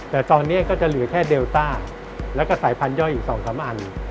แต่ตอนนี้ก็จะเหลือแค่เดลต้าแล้วก็สายพันธย่อยอีก๒๓อัน